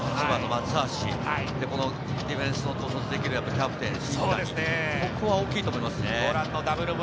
ボランチ２人、７番の真田、８番の松橋、ディフェンスを統率できるキャプテン・新谷、ここは大きいと思います。